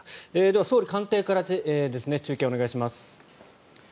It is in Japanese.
では、総理官邸から中継をお願いします。